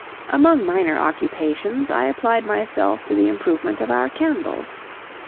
Among minor occupations, I applied myself to the improvement of our candles.